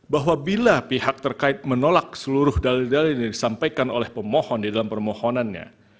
bahwa bila pihak terkait menolak seluruh dalil dalil yang disampaikan oleh pemohon di dalam permohonannya